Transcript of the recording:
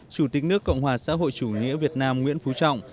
chủ tịch nước cộng hòa xã hội chủ nghĩa việt nam nguyễn phú trọng